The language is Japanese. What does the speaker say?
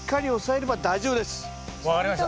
分かりました。